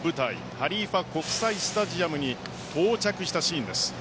ハリーファ国際スタジアムに到着したシーンです。